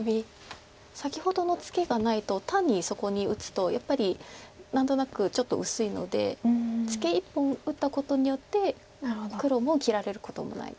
先ほどのツケがないと単にそこに打つとやっぱり何となくちょっと薄いのでツケ１本打ったことによって黒も切られることもないですよね。